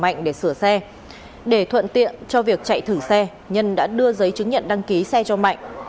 mạnh để sửa xe để thuận tiện cho việc chạy thử xe nhân đã đưa giấy chứng nhận đăng ký xe cho mạnh